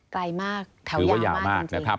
ใกล้มากแถวยาวมากจริง